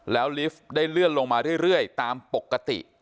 แล้วลิฟต์ได้เลื่อนลงมาเรื่อยตามปกติ